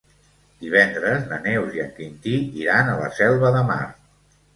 Divendres na Neus i en Quintí iran a la Selva de Mar.